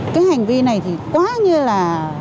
cái hành vi này thì quá như là